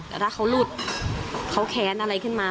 แต่ถ้าเขาหลุดเขาแค้นอะไรขึ้นมา